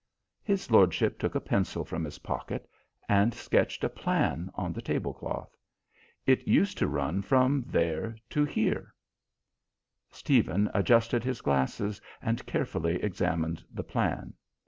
His lordship took a pencil from his pocket and sketched a plan on the tablecloth. "It used to run from there to here." Stephen adjusted his glasses and carefully examined the plan.